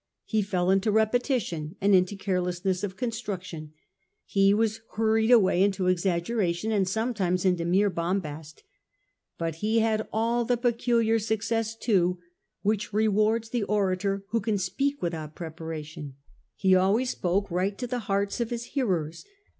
He fell into repetition and into carelessness of construction ; he was hurried away into exaggeration and some times into mere bombast. But he had all the pecu liar success, too, which rewards the orator who can speak without preparation. He always spoke right to the hearts of his hearers.